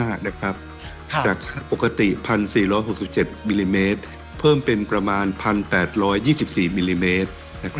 จากปกติ๑๔๖๗มิลลิเมตรเพิ่มเป็นประมาณ๑๘๒๔มิลลิเมตร